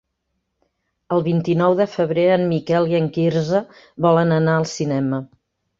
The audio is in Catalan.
El vint-i-nou de febrer en Miquel i en Quirze volen anar al cinema.